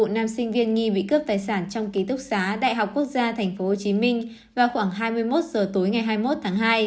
nam sinh viên nghi bị cướp tài sản trong ký túc xá đại học quốc gia tp hcm vào khoảng hai mươi một h tối ngày hai mươi một tháng hai